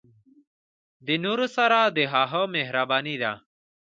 د نورو سره د هغه مهرباني ده.